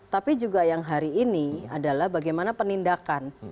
tapi juga yang hari ini adalah bagaimana penindakan